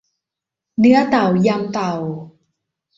เนื้อเต่ายำเต่า